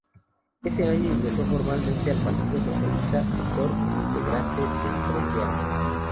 Ese año ingresó formalmente al Partido Socialista, sector integrante del Frente Amplio.